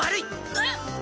えっ！？